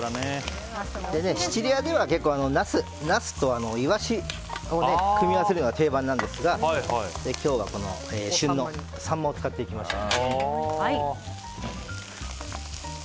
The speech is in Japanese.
シチリアではナスとイワシを組み合わせるのが定番なんですが今日は旬のサンマを使っていきましょう。